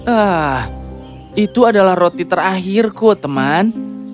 ah itu adalah roti terakhirku teman